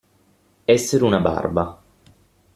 Essere una barba.